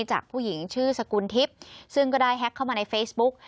จากผู้หญิงชื่อสกุลทิพย์ซึ่งก็ได้แฮ็กเข้ามาในเฟซบุ๊ก